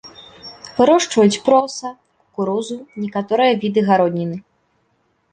Вырошчваюць проса, кукурузу, некаторыя віды гародніны.